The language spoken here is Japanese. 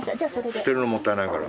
捨てるのもったいないから。